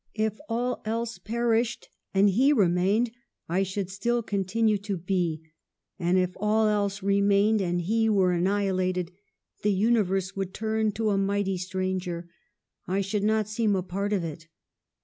If all else perished, and he remained, / should still continue to be ; and if all else remained and he were annihilated, the universe would turn to a mighty stranger : I should not seem a part of it.